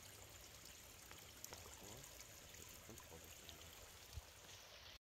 Davor, dass er die Kontrolle verliert.